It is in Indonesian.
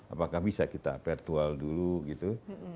apakah bisa kita virtual dulu gitu